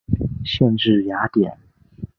县治雅典。